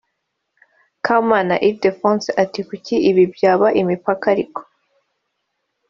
Kamana Ildephonse ati “Kuki ibi byaba impaka ariko